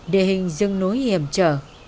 địa hình rừng núi hiểm trở